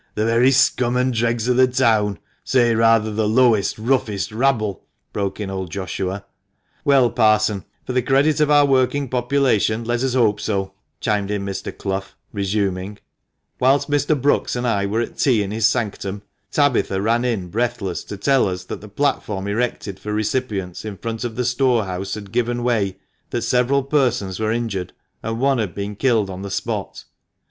— the very scum and dregs of the town — say rather the lowest, roughest rabble !" broke in old Joshua. "Well, Parson, for the credit of our working population, let us hope so," chimed in Mr. Clough, resuming — "Whilst Mr. Brookes and I were at tea in his sanctum, Tabitha ran in breathless to tell us that the platform erected for recipients in front of the storehouse had given way, that several persons were injured, and one had been killed on the spot."